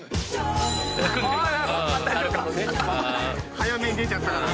早めに出ちゃったから。